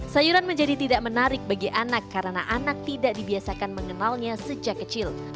sayuran menjadi tidak menarik bagi anak karena anak tidak dibiasakan mengenalnya sejak kecil